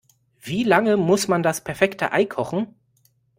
Wie lange muss man das perfekte Ei kochen?